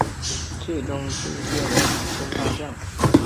最终军阶为海军大将。